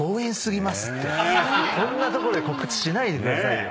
こんなところで告知しないでくださいよ。